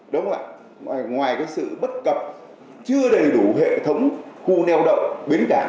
đúng không ạ ngoài cái sự bất cập chưa đầy đủ hệ thống khu neo đậu biến đảng